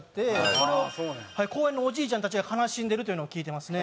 それを公園のおじいちゃんたちが悲しんでるというのを聞いてますね。